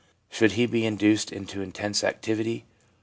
should he be induced into intense activity?